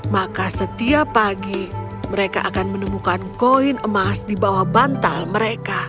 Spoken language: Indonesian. maka setiap pagi mereka akan menemukan koin emas di bawah bantal mereka